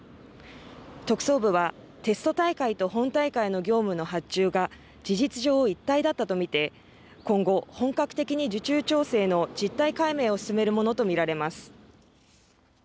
特捜部はテスト大会と本大会の業務の発注が事実上一体だったと見て今後本格的に受注調整の実態解明を進めるものと見られます。